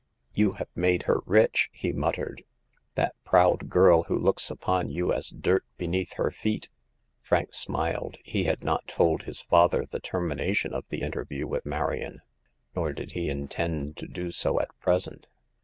You have made her rich !" he muttered — "that proud girl who looks upon you as dirt beneath her feet." Frank smiled. He had not told his father the termination of the interview with Marion ; nor did he intend to do so at present.